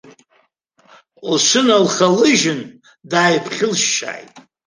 Лҽыналхалыжьын, дааиԥхьылышьшьааит.